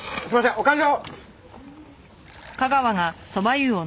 お勘定！